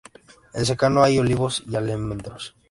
En secano hay olivos y almendros.